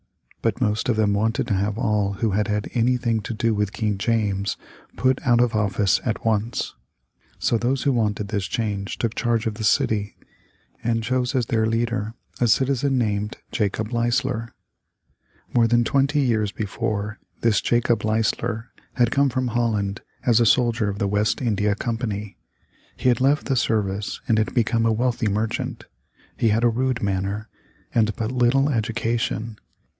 But most of them wanted to have all who had had anything to do with King James put out of office at once. So those who wanted this change took charge of the city, and chose as their leader a citizen named Jacob Leisler. More than twenty years before, this Jacob Leisler had come from Holland as a soldier of the West India Company. He had left the service and had become a wealthy merchant. He had a rude manner, and but little education.